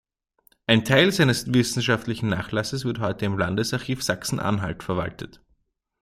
Ein Teil seines wissenschaftlichen Nachlasses wird heute im Landesarchiv Sachsen-Anhalt verwaltet.